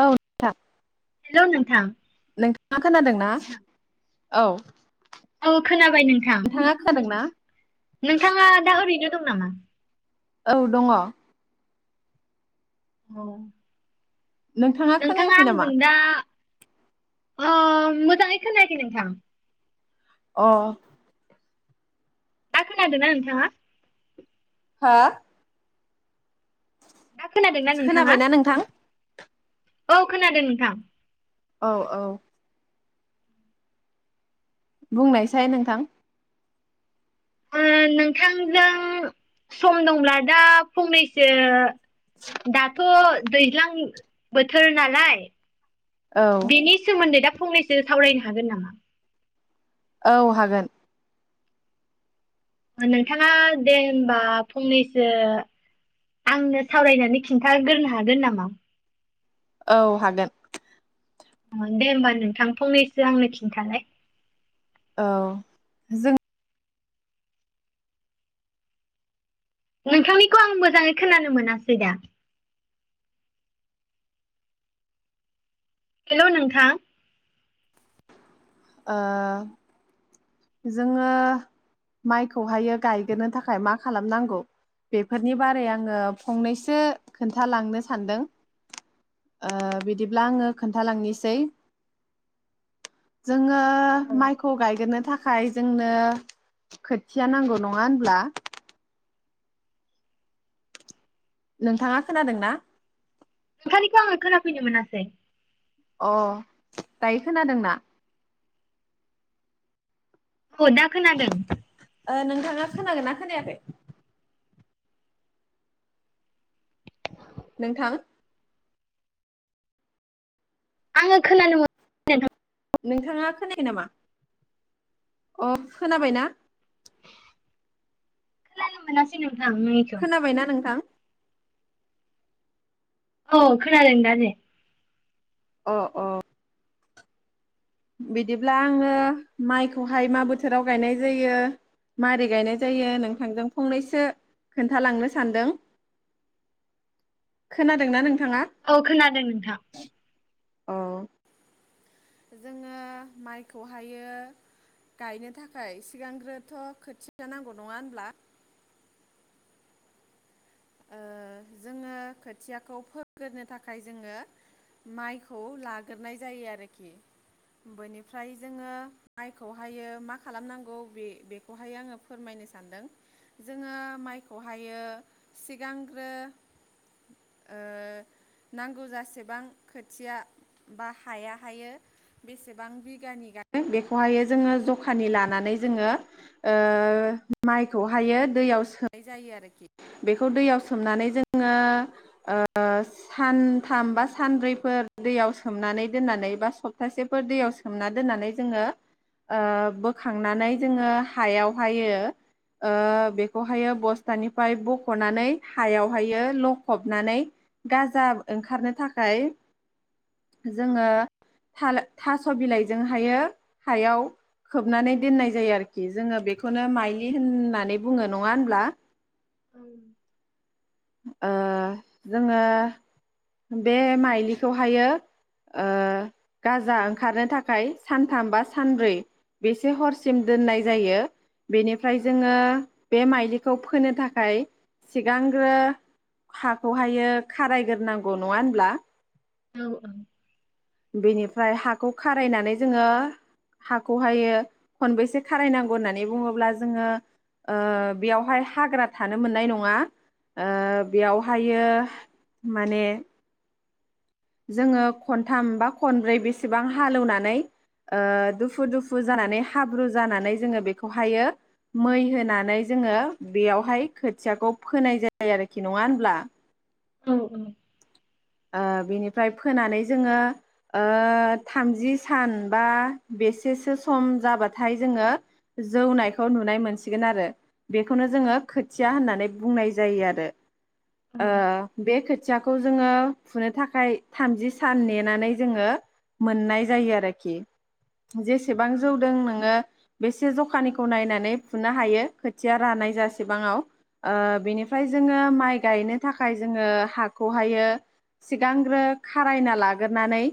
औ नोंथां। हेल' नोंथां नोंथांङा खोनादोंना? औ। औ खोनाबाय नोंथां। नोंथाङा खोनादों ना नोंथांङा दा ओरैनो दं नामा? औ दंङ'। औ। नोंथाङा नोंथांङा खोनायाखै नामा आंजों दा अ मोजांङै खोनायाखै नोंथां। अ। दा खोनादोंना नोंथांङा? हा? दा खोनादोंना नोंथाङा खोनाबायना नोंथां? औ खोनादों नोंथां। औ औ। बुंनायसाय नोंथां। ओम नोंथांजों सम दंब्ला दा फंनैसो दाथ' दैज्लां बोथोर नालाय। औ बेनि सोमोन्दै दा फंनैसो सावरायनो हागोन नामा? औ हागोन। नोंथाङा दे होमबा फंनैसो आंनो सावरायनानै खिन्थागोरनो हागोन नामा? औ हागोन। दे होमबा नोंथां फंनैसो आंनो खिन्थानाय। औ जों नोंथांनिखौ आं मोजाङै खोनानो मोनासै दा। हेलौ नोंथां। ओ जोङो माइखौहायो गायग्रोनो थाखाय मा खालामनांगौ बेफोरनि बारै आङो फंनैसो खोन्थालांनो सानदों ओ बिदिब्ला आङो खोन्थालांनोसै। जोङो माइखौ गायगोरनो थाखाय खाय जोंनो खोथिया नांगौ नङा होनब्ला? नोंथाङा खोनादों ना? नोंथांनिखौ आङो खोनाफैनो मोनासै। अ दायो खोनादोंना? औ दा खोनादों। ओ नोंथाङा खोनागोन ना खोनायाखै? [inaudible] नोंथां आङो खोनानो मोन [unintelligible] नोंथाङा खोनाया [unintelligible] नामा? अ खोनाबाय ना? [inaudible] खोनानो मोनासै नों खोनाबायना नोंथां? औ खोनादों दा ने। अ अ बिदिब्ला आङो माइखोहाय मा बोथोराव गायनाय जायो मारै गायनाय जायो नोंथांजों फंनैसो खोन्थालांनो सानदों खोनादोंना नों औ खोनादों नोंथां। अ जोङो माइखौहायो गायनो थाखाय सिगांग्रोथ' खोथिया नांगौ नङा होनब्ला? ओ जोङो खोथियाखौ फोगोरनो थाखाय जोङो माइखौ लाग्रोनाय जायो आरोखि बेनिफ्राय जोङो माइखौहायो मा खालामनांगौ बे बेखौहाय आङो फोरमायनो सानदों जोङो माइखौहायो सिगांग्रो ओ नांगौ जासेबां खोथिया बा हाया हायो बेसेबां बिगानि गायगोन बेखौहायो जोङो जखानि लानानै जोङो ओ माइखौहायो दैयाव सोमनाय जायो आरोखि। बेखौ दैयाव सोमनानै जोङो ओ सानथाम बा सानब्रैफोर दैयाव सोमनानै दोननानै बा सप्तासेफोर दैयाव सोमना दोननानै जोङो ओ बोखांनानै जोङो हायावहायो ओ बेखौहायो बस्थानिफ्राय बख ख'नानै हायावहायो लखबनानै गाजा ओंखारनो थाखाय जोङो थाले थास' बिलाइजोंहायो हायाव खोबनानै दोननाय जायो आरोखि जोङो बेखौनो माइलि होननानै बुङो नङा होनब्ला? औ ओ जोङो बे माइलिखौहायो ओ गाजा ओंखारनो थाखाय सानथाम बा सानब्रै बेसे हरसिम दोननाय जायो बेनिफ्राय जोङो बे माइलिखौ फोनो थाखाय सिगांग्रो हाखौहायो खारायग्रोनांगौ नङा होनब्ला? औ औ बेनिफ्राय हाखौ खारायनानै जोङो हाखौहायो खनबेसे खारायनांगौ होननानै बुङोब्ला जोङो ओ बेयावहाय हाग्रा थानो मोननाय नङा ओ बेयावहायो माने जोङो खनथाम बा खनब्रै बेसेबां हालौवनानै ओ दुफु दुफु जानानै हाब्रु जानानै जोङो बेखौहायो मै होनानै जोङो बेयावहाय खोथियाखौ फोनाय जायो आरोखि नङा होनब्ला? औ ओ बेनिफ्राय फोनानै जोङो ओ थामजि सान बा बेसेसो सम जाबाथाय जोङो जौनायखौ नुनाय मोनसिगोन आरो बेखौनो जोङो खोथिया होननानै बुंनाय जायो आरो औ ओ बे खो थियाखौ जोङो फुनो थाखाय थामजि सान नेनानै जोङो मोननाय जायो आरोखि‌। जेसेबां जौदों नोङो बेसे जखानिखौ नायनानै फुनो हायो खोथिया रानाय जासेबाङाव ओ बिनिफ्राय जोङो माइ गायनो थाखाय जोङो हाखौहायो सिगांग्रो खारायना लाग्रानै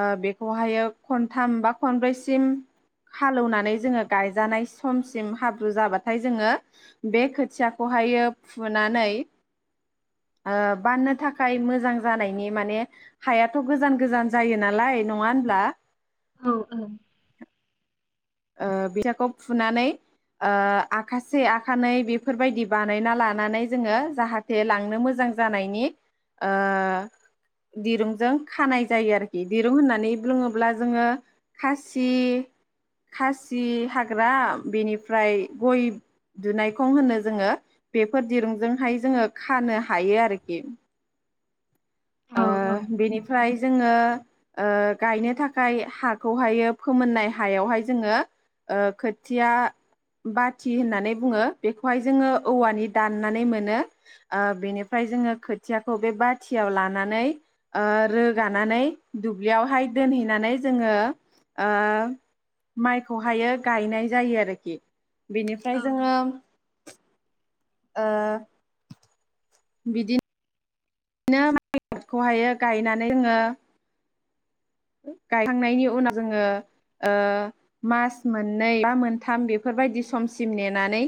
ओ बेखौहायो खनथाम बा खनब्रैसिम हालौनानै जोङो गायजानाय समसिम हाब्रु जाबाथाय जोङो बे खोथियाखौहायो फुनानै ओ बाननो थाखाय मोजां जानायनि माने हायाथ गोजान गोजान जायो नालाय नङा होनब्ला? औ औ ओ [unintelligible] याखौ फुनानै ओ आखासे आखानै बेफोरबायदि बानायना लानानै जोङो जाहाथे लांनो मोजां जानायनि ओ दिरुंजों खानाय जायो आरोखि दिरुं होननानै बुङोब्ला जोङो खासि खासि हाग्रा बेनिफ्राय गय दुनायखं होनो जोङो बेफोर दिरुंजोंहाय जोङो खानो हायो आरोखि। औ ओ बेनिफ्राय जोङो ओ गायनो थाखाय हाखौहायो फोमोननाय हायावहाय जोङो ओ खोथिया बाथि होननानै बुङो बेखौहाय जोङो औवानि दाननानै मोनो ओ बेनिफ्राय जोङो खोथियाखौ बे बाथियाव ला नानै ओ रोगानानै दुब्लियावहाय दोनहैनानै जोङो ओ माइखौहायो गायनाय जायो आरोखि। औ बेनिफ्राय जोङो ओ बिदि दिनो माइखौहायो गायनानै जोङो गायखांनायनि उनाव जोङो ओ मास मोननै बा मोनथाम बेफोरबायदि समसिम नेनानै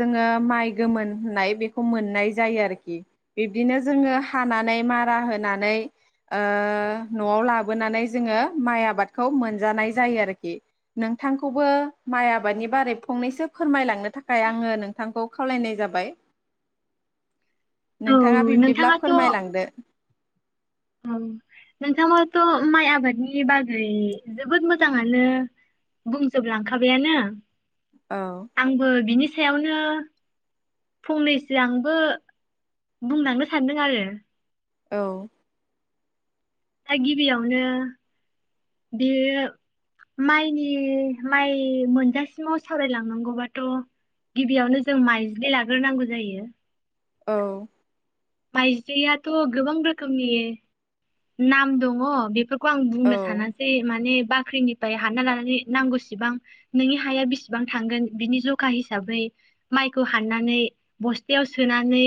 जोङो माइ गोमोननाय होननाय बेखौ मोननाय जायो आरोखि बिब्दिनो जोङो हानानै मारा होनानै ओ न'आव लाबोनानै जोङो माइ आबादखौ मोनजानाय जायो आरोखि नोंथांखौबो माइ आबादनि बारै फंनैसो फोरमायलांनो थाखाय आङो नोंथांखौ खावलायनाय जाबाय। औ नोंथाङा बिब्दिब्ला नोंथाङाथ' फोरमायलांदो। औ नोंथाङाथ' माइ आबादनि बागै जोबोद मोजाङानो बुंजोब लांखाबायानो। औ आंबो बिनि सायावनो फंनैसो आंबो बुंलांनो सानदों आरो। औ। दा गिबियावनो बे माइनि माइ मोनजासिमाव सावरायलांनांगौबाथ' गिबियावनो जों माइज्लि लाग्रोनांगौ जायो। औ। माइज्लियाथ' गोबां रोखोमनि नाम दङ बेफोर खौ आं औ बुंनो सानासै माने बाख्रिनिफ्राय हानना लानानै नांगौसेबां नोंनि हाया बेसेबां थांगोन बिनि जखा हिसाबै माइखौ हाननानै बस्थायाव सोनानै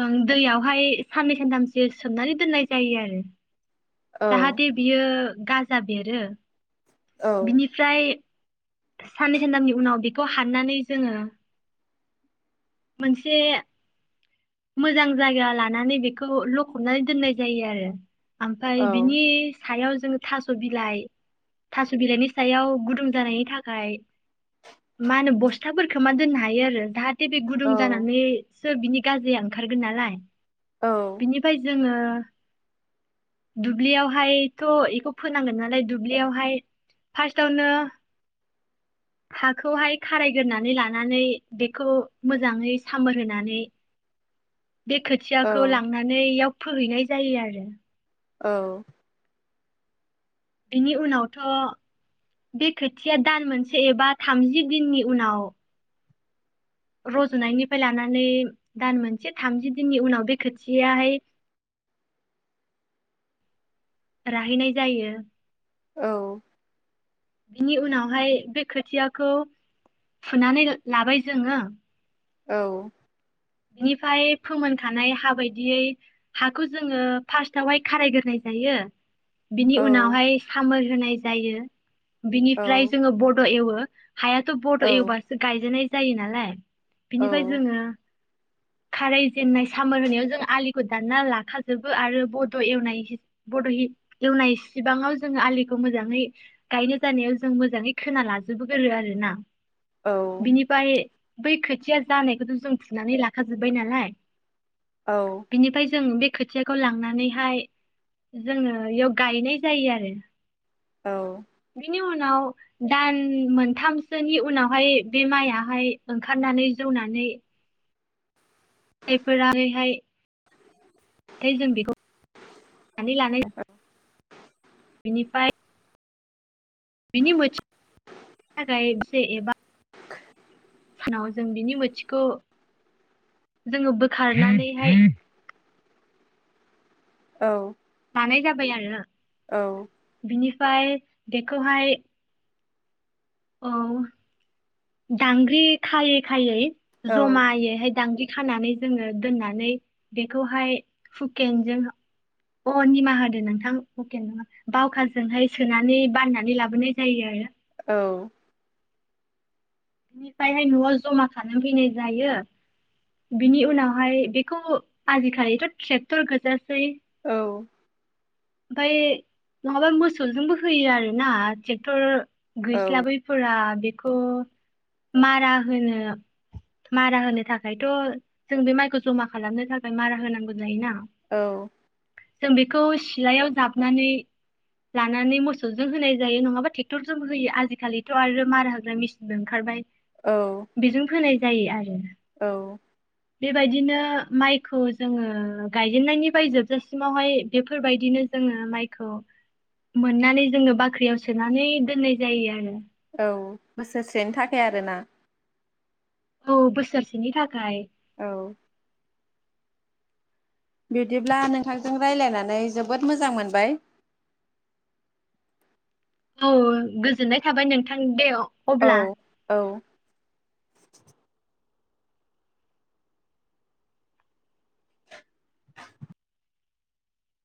ओम दैयावहाय साननै सानथामसो सोमनानै दोननाय जायो आरो औ जाहाथे बेयो गाजा बेरो औ बिनिफ्राय साननै सानथामनि उनाव बेखौ हाननानै जोङो मोनसे मोजां जायगा लानानै बेखौ लखबनानै दोननाय जायो आरो। ओमफ्राय औ बिनि सायाव जोङो थास' बिलाइ थास' बिलाइनि सायाव गुदुं जानायनि थाखाय मा होनो बस्थाफोरफोरखौ खोबना दोननो हायो आरो जाहाथे बे गुदुं औ जानानै सो बिनि गाज्रिया ओंखारगोन नालाय। औ बिनिफ्राय जोङो दुब्लियावहायथ' इखौ फोनांगोन नालाय, दुब्लियावहाय फार्स्टआवनो हाखौहाय खारायग्रोनानै लानानै बेखौ मोजाङै सामोर होनानै बे औ खोथियाखौ लांनानै इयाव फोहैनाय जायो आरो औ। बिनि उनावथ' बे खोथिया दान मोनसे एबा थामजि दिननि उनाव रज'नायनिफ्राय लानानै दान मोनसे थामजि दिननि उनाव बे खोथियाहाय राहैनाय जायो। औ। बिनि उनावहाय बे खोथियाखौ फुनानै लाबाय जोङो। औ। बिनिफ्राय फोमोनखानाय हा बायदियै हाखौ जोङो फार्स्टावहाय खारायग्रोनाय जायो। बिनि औ उनावहाय सामोर होनाय जायो। बिनिफ्राय जोङो बर एउवो। [unintelligible] हायाथ बड‌ एवबासो गायजानाय जायो नालाय। बिनिफ्राय जोंङो खाराय जेननाय सामार होनायाव जों आलिखौ दानना लाखाजोबो आरो बड एवनाय बड एवनाय सिबाङाव जोंङो आलिखौ मोजाङै गायनो जानायाव जों मोजाङै खोना लाजोबो गोरो आर ना। बिनिफ्राय बै खोथिया जानायखौथ जों थुनानै ला लाखाजोब्बाय नालाय। बेनिफ्राय जों बे खोथियाखौ लांनानैहाय जोंङो बेयाव गायनाय जायो आरो औ बिनि उनाव दान मोनथामसोनि उनावहाय बे माइयाहाय ओंखारनानै जौनानै जायफोरहाय जों बेखौ जान लानानै बिनिफ्राय। बिनि मोनोसे एबा। नाव जों बिनि मोनसेखौ जोंङो बोखारनानैहाय। औ। [unintelligible] जाबाय आरो बिनिफ्राय। बेखौ हाय। औ दांग्रि खायै खायै। जमायै हाय दांग्रि। खानानै जोंङो दोननानै बेखौहाय हुकेनजों अ निमाहा होदो नोंथां हुखेनजों नंङा बावखाजोंहाय सोनानै बाननानै लाबोनाय जायो आरो। औ। बेनिफ्रायहाय नआव जमा खालाम फैनाय जायो बिनि उनावहाय बेखौ आजिखालिथ' ट्रेक्टर गोजासै। औ। ओमफफ्राय नङाबा मोसौजोंबो होयो आर ना ट्रेक्टर। गैस्लाबैफोरा बेखौ। मारा होनो मारा होनो थाखायथ जों बे माइखौ जमा खालामनो थाखाय मारा होनांगौ जायोना। औ। जों बेखौ। सिलायाव जाबनानै लानानै मोसौजों होनाय जायो नंङाबा ट्रेक्टरजोंबो होयो आजिखालिथ आरो मारा होग्रा मेसिनबो ओंखारबाय। औ बेजों फोनाय। जायो आरो। औ। बेबायदिनो माइखौ जोंङो गायजेननायनि बाय जोबजासिमावहाय बेफोरबायदि। बिदिनो जोंङो माइखौ मोननानै जोंङो बाख्रियाव सोनानै दोननाय जायो आरो। औ बोसोरसेनि थाखाय आरोना। औ बोसोरसेनि थाखाय। औ । बिदिब्ला नोंथांजों रायज्लायनानै जोबोद मोजां मोनबाय । औ गोजोननाय थाबाय नोंथां दे । औ औ । [inaudible] [inaudible]